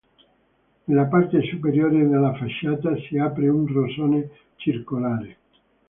Nella parte superiore della facciata si apre un rosone circolare.